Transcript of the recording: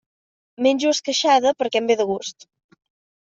Menjo esqueixada perquè em ve de gust.